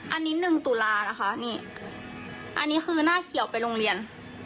อันนี้หนึ่งตุลานะคะนี่อันนี้คือหน้าเขียวไปโรงเรียน